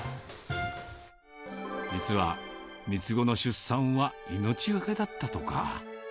実は、三つ子の出産は命懸けだったとか。